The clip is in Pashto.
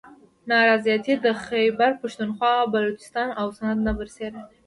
نا رضایتي د خیبر پښتونخواه، بلوچستان او سند نه بر سیره